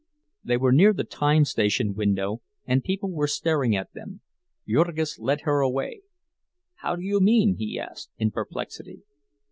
They were near the time station window, and people were staring at them. Jurgis led her away. "How do you mean?" he asked, in perplexity.